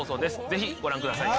ぜひご覧ください。